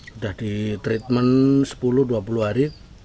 sudah di treatment sepuluh dua puluh hari